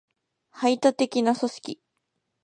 排他的な組織